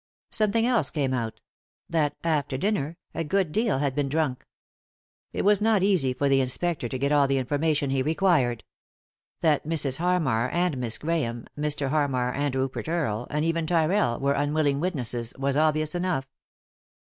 Somt thing else came out ; that, after dinner, a good deal had been drunk. It was not easy for the inspector to get all the information he required. That Mrs. Harmar and Miss Grahame, Mr. Harmar and Rupert Earle, and even Tyrrell, were unwilling witnesses, was obvious enough.